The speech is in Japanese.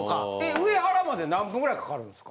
上原まで何分ぐらいかかるんですか？